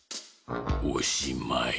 おしまい。